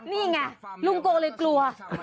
นี่ไงลุงโกเลยกลัว